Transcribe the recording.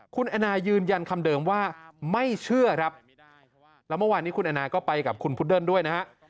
คุณแอนนายืนยันคำเดิมว่าไม่เชื่อครับแล้วเมื่อวานนี้คุณแอนนาก็ไปกับคุณพุดเดิ้ลด้วยนะฮะ